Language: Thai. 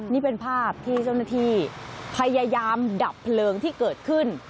นี่เป็นภาพที่เจ้าหน้าที่พยายามดับเพลิงที่เกิดขึ้น